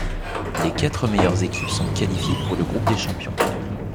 Les quatre meilleures équipes sont qualifiées pour le groupe des champions.